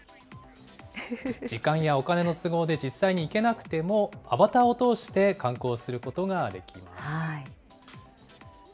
時間やお金の都合で実際に行けなくても、アバターを通して観光することができます。